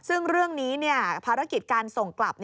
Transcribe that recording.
ซึ่งเรื่องนี้ภารกิจการส่งกลับ